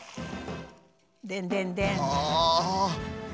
デンデンデン！